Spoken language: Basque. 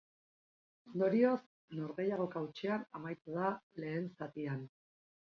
Ondorioz, norgehiagoka hutsean amaitu da lehen zatian.